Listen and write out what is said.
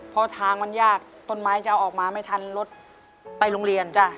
เพราะทางมันยากต้นไม้จะเอาออกมาไม่ทันรถไปโรงเรียนจ้ะ